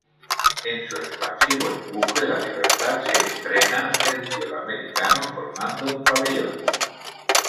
En su expansivo empuje la libertad se estrena, del cielo americano formando un pabellón.